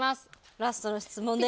ラストの質問です。